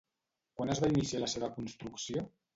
Quan es va iniciar la seva construcció?